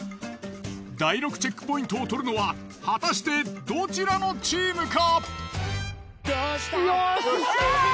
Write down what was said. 第６チェックポイントを取るのは果たしてどちらのチームか？